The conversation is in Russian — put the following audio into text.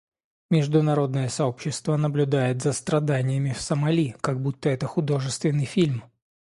Международное сообщество наблюдает за страданиями в Сомали, как будто это художественный фильм.